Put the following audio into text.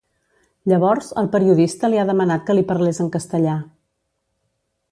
Llavors, el periodista li ha demanat que li parlés en castellà.